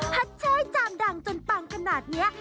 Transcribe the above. หัดเชยจำดังจนปังขนาดเงี้ย